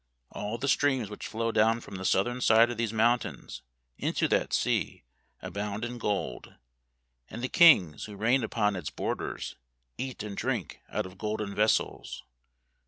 All the streams which flow down from the southern side of these mountains into that sea abound in gold, and the Kings who reign upon its borders eat and drink out of golden vessels.